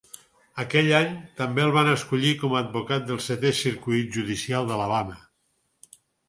Aquell any, també el van escollir com a advocat del setè Circuit Judicial d'Alabama.